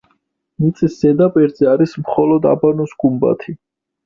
მიწის ზედაპირზე არის მხოლოს აბანოს გუმბათი.